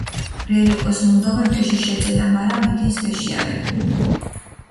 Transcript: ბრელი კოს მუნდომებ, ეში შეძენა, მარა მითინს ვეშიალებუ.